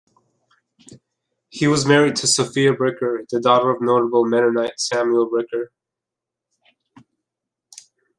He was married to Sophia Bricker, the daughter of notable Mennonite Samuel Bricker.